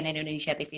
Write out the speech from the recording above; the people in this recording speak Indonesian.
cnn indonesia tv